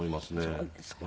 そうですか。